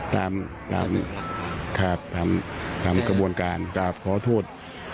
ตามกระบวนการกราบขอโทษ